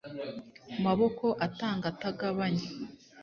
maboko atanga atagabanya